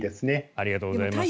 ありがとうございます。